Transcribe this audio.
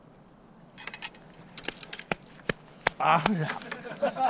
あら。